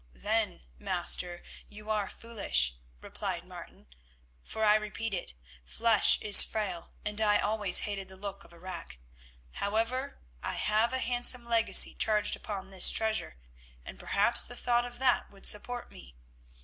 "Then, master, you are foolish," replied Martin, "for I repeat it—flesh is frail, and I always hated the look of a rack. However, I have a handsome legacy charged upon this treasure, and perhaps the thought of that would support me.